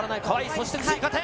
そして追加点。